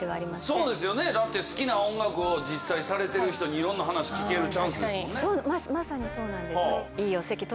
そうですよねだって好きな音楽を実際されてる人にいろんな話聞けるチャンスですもんね。